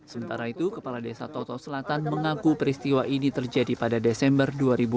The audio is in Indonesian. sementara itu kepala desa toto selatan mengaku peristiwa ini terjadi pada desember dua ribu enam belas